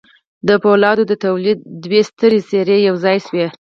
د پولادو د تولید دوې سترې څېرې یو ځای شوې